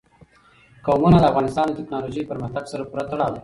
قومونه د افغانستان د تکنالوژۍ پرمختګ سره پوره تړاو لري.